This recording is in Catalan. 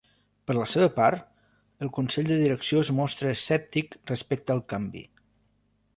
Per la seva part, el consell de direcció es mostra escèptic respecte al canvi.